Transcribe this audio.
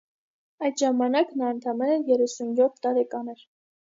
Այդ ժամանակ նա ընդամենը երեսունյոթ տարեկան էր։